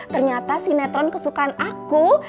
ternyata sinetron kesukaan aku